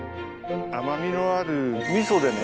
甘みのある味噌でね